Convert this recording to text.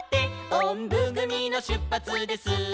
「おんぶぐみのしゅっぱつです」